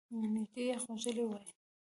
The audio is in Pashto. نژدې یخ وژلی وای !